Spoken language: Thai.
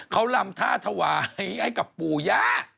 เขาลำท่าถวายให้กับปู่ย่า